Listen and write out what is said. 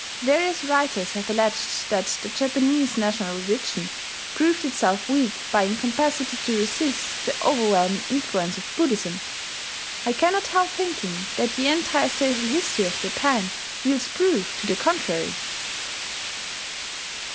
Various writers have alleged that the Japanese national religion proved itself weak by incapacity to resist the overwhelming influence of Buddhism. I cannot help thinking that the entire social history of Japan yields proof to the contrary.